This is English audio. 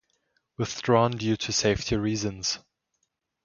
Withdrawn due to safety reasons.